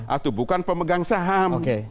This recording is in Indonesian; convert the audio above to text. atau bukan pemegang saham